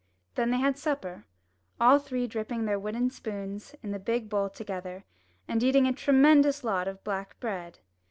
Then they had supper, all three dipping their wooden spoons in the big bowl together, and eating a tremen dous lot of black bread.